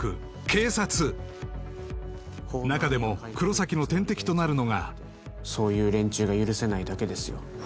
警察中でも黒崎の天敵となるのがそういう連中が許せないだけですよ